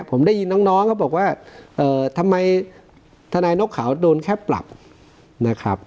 ผมได้ยินน้องก็บอกว่าเอ่อทำไมธนายนกเขาโดนแค่ปลับนะครับ